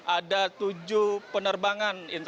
ada tujuh penerbangan